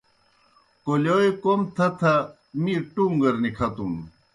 کولیوئے کوْم تھہ تھہ می ٹُوݩگر نِکَھتُن۔